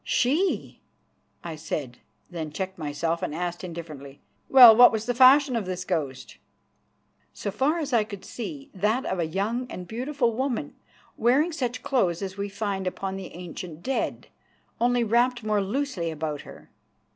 "She!" I said, then checked myself and asked indifferently: "Well, what was the fashion of this ghost?" "So far as I could see that of a young and beautiful woman, wearing such clothes as we find upon the ancient dead, only wrapped more loosely about her."